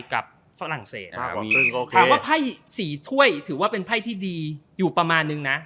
ว่าในไผ้สีถ้วยถือว่าเป็นไพ่ที่ดีอยู่ประมาณหนึ่งนะ